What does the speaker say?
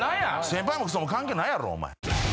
先輩もクソも関係ないやろお前。